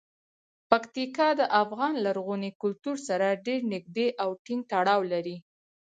پکتیکا د افغان لرغوني کلتور سره ډیر نږدې او ټینګ تړاو لري.